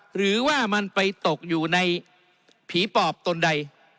หรือว่ามันไปตกอยู่ในผีปอบตนใด